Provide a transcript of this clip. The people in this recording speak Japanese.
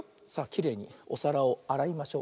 きれいにおさらをあらいましょう。